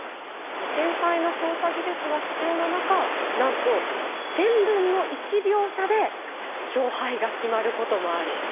もう繊細な操作技術が必要な中なんと１／１０００秒差で勝敗が決まることもある。